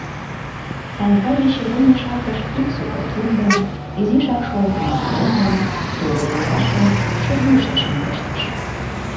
Санька вещевой мешакыш ик сукыр киндым, изишак шолтымо пареҥгым, тувыр-йолашым, шӱргӱштышым пыштыш.